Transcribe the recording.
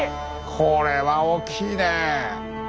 これは大きいね！